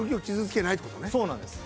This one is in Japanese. そうなんです。